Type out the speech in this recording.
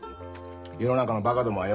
世の中のバカどもはよ